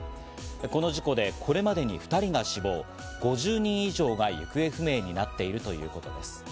この事故で、これまでに２人が死亡、５０人以上が行方不明になっているということです。